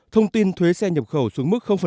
thông tin thuế xe nhập khẩu xuống mức